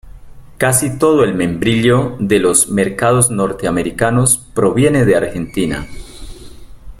Casi todo el membrillo de los mercados norteamericanos proviene de Argentina.